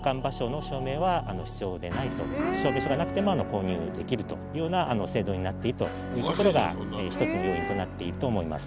後を絶たない。というような制度になっているというところが一つの要因となっていると思います。